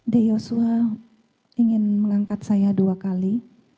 di yosua ingin mengangkat saya dua kali